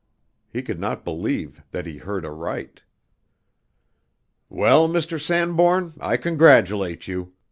He could not believe that he heard aright. "Well, Mr. Sanbourne, I congratulate you!"